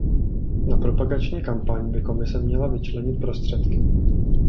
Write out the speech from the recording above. Na propagační kampaň by Komise měla vyčlenit prostředky.